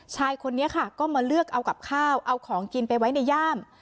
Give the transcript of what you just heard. ชายคนนี้ค่ะก็มาเลือกเอากับข้าวเอาของกินไปไว้ในย่าม